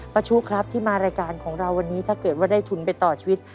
ชุครับที่มารายการของเราวันนี้ถ้าเกิดว่าได้ทุนไปต่อชีวิต